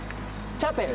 チャペル！？